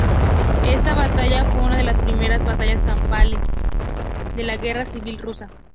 Esta batalla fue una de las primeras batallas campales de la Guerra Civil Rusa.